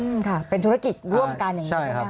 ค่ะเป็นธุรกิจร่วมกันอย่างนี้ใช่ไหมค